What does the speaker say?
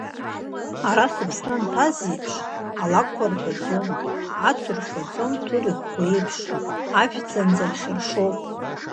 Ара сыԥсы анҭаз еиԥш алакәқәа рҳәаӡом, ацу рфаӡом Тур ихәы еиԥш, ашә ӡанӡрхьыршоуп.